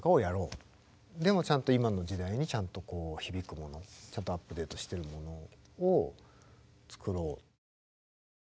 でもちゃんと今の時代にちゃんとこう響くものちゃんとアップデートしてるものを作ろう。